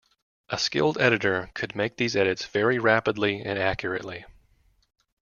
A skilled editor could make these edits very rapidly and accurately.